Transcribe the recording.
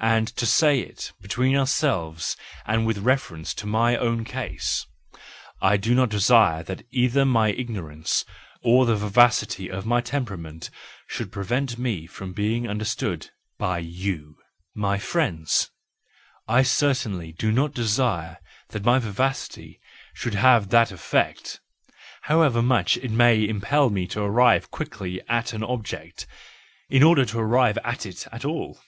And to say it between ourselves and with reference to my own case,—I do not desire that either my ignorance, or the vivacity of my temperament, should prevent me being understood by you, my friends: I certainly do not desire that my vivacity should have that effect, however much it may impel me to arrive quickly at an object, in order to arrive at it at all.